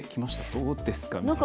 どうですか？